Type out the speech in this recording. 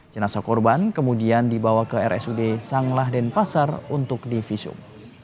jenazah korban kemudian dibawa ke rsud sanglah denpasar untuk divisum